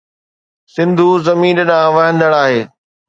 سنڌوءَ زمين ڏانهن وهندڙ آهي